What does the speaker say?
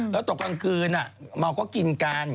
แล้วตกกลางคืนเมาก็กินกัน